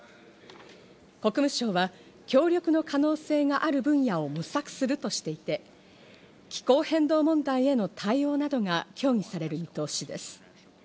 国務省は協力の可能性がある分野を模索するとしていて、気候変動問題への対応などが協議される見通しです。